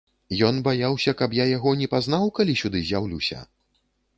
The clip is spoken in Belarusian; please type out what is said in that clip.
Ён баяўся, каб я яго не пазнаў, калі сюды з'яўлюся?